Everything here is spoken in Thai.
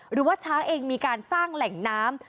หรือว่าช้างเองมีการสร้างแหล่งน้ำ